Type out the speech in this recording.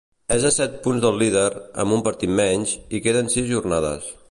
És a set punts del líder, amb un partit menys, i queden sis jornades.